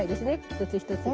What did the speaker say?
一つ一つが。